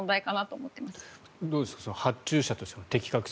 どうですか発注者としての適格性。